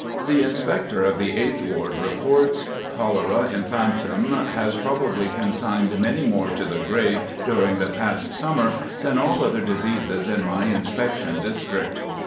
The Inspector of the Eighth Ward reports: "Cholera infantum has probably consigned many more to the grave during the past summer than all other diseases in my inspection district.